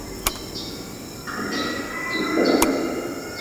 沃沙西。